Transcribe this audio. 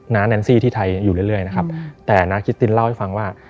แอนซี่ที่ไทยอยู่เรื่อยนะครับแต่น้าคิตตินเล่าให้ฟังว่า